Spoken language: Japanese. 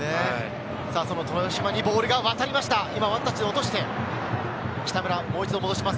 その豊嶋にボールが渡りました、ワンタッチで落として北村、もう一度戻します。